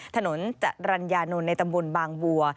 ถนนจรรยานนท์ในตำบลบางบัว